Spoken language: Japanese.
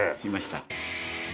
いました。